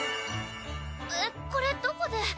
えっこれどこで？